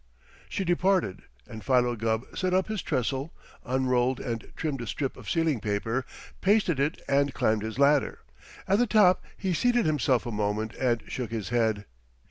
She departed, and Philo Gubb set up his trestle, unrolled and trimmed a strip of ceiling paper, pasted it, and climbed his ladder. At the top he seated himself a moment and shook his head.